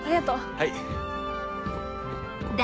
はい。